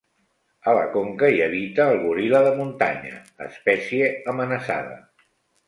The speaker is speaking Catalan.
A la conca hi habita el goril·la de muntanya, espècie amenaçada.